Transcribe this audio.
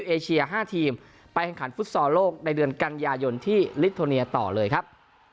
เอเชีย๕ทีมไปแข่งขันฟุตซอลโลกในเดือนกันยายนที่ลิโทเนียต่อเลยครับ